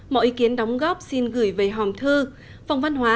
mọi ý kiến đóng góp xin gửi về tỉnh lạng sơn